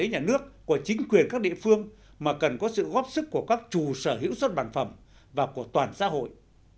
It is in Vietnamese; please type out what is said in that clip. nhà nước của chính quyền các địa phương mà cần có sự góp sức của các chủ sở hữu xuất bản phẩm và của toàn xã hội